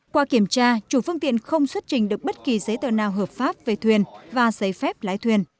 qua kiểm tra chủ phương tiện không xuất trình được bất kỳ giấy tờ nào hợp pháp về thuyền và giấy phép lái thuyền